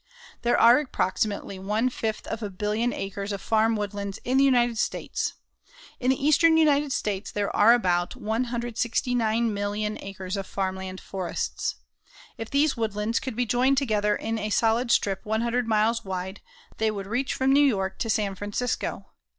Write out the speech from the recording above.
There are approximately one fifth of a billion acres of farm woodlands in the United States. In the eastern United States there are about 169,000,000 acres of farmland forests. If these woodlands could be joined together in a solid strip one hundred miles wide, they would reach from New York to San Francisco.